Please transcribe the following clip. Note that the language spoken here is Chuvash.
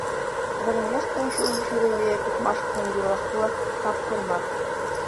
Вӗренмешкӗн, ҫул ҫӳреве тухмашкӑн юрӑхлӑ тапхӑр мар.